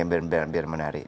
yang benar benar menarik